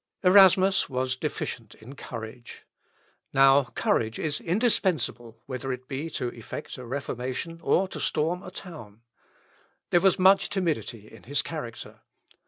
Erasmus was deficient in courage. Now, courage is indispensable, whether it be to effect a Reformation, or to storm a town. There was much timidity in his character.